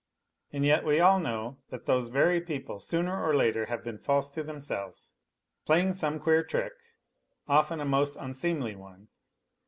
And yet we all know that those very people sooner or later have been false to them . 'laying some queer trick, often a most unseemly one.